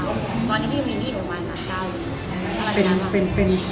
ตอนนี้พี่มีหนี้โรงพยาบาลนักได้